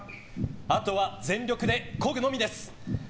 あとは全力でこぐのみです。